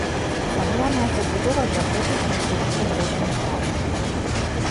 Цагляная забудова дагэтуль знаходзіцца ў добрым стане.